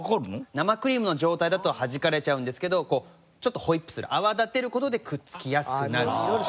生クリームの状態だとはじかれちゃうんですけどちょっとホイップする泡立てる事でくっつきやすくなるとか。